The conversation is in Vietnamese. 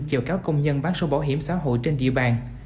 chờ cáo công nhân bán số bảo hiểm xã hội trên địa bàn